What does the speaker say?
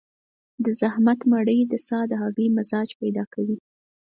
د زحمت مړۍ د سادهګي مزاج پيدا کوي.